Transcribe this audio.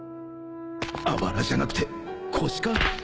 あばらじゃなくて腰か？